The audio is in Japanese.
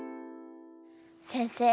先生